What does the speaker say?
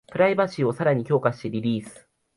プライバシーをさらに強化してリリース